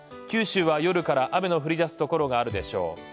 九州は、夜から雨の降り出すところがあるでしょう。